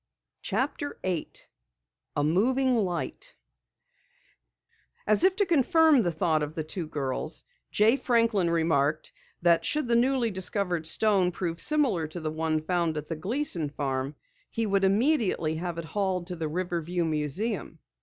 CHAPTER 8 A MOVING LIGHT As if to confirm the thought of the two girls, Jay Franklin remarked that should the newly discovered stone prove similar to the one found at the Gleason farm, he would immediately have it hauled to the Riverview museum.